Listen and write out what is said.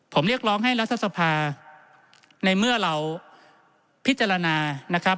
ผมเรียกร้องให้รัฐสภาในเมื่อเราพิจารณานะครับ